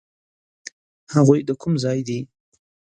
هغوی د کوم ځای دي؟